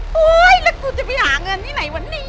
เฮ้ยแล้วกูจะไปหาเงินที่ไหนวันนี้